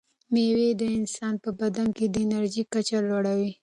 مېوې د انسان په بدن کې د انرژۍ کچه لوړوي.